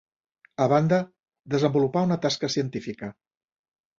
A banda, desenvolupà una tasca científica.